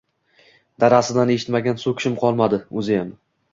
Dadasidan eshitmagan so`kishim qolmadi, o`ziyam